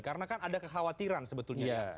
karena kan ada kekhawatiran sebetulnya ya